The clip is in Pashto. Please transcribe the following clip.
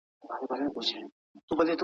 ¬ په ړندو کي يو سترگی پاچا دئ.